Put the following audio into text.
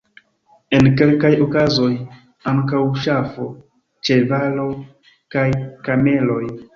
En kelkaj okazoj ankaŭ ŝafo, ĉevalo kaj kameloj.